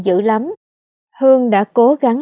dữ lắm hương đã cố gắng